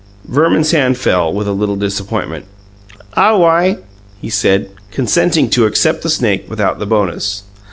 Verman's hand fell, with a little disappointment. "Aw wi," he said, consenting to accept the snake without the bonus.